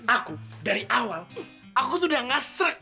aku dari awal aku tuh udah gak serg